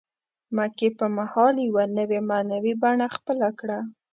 مکې په مهال یوه نوې معنوي بڼه خپله کړه.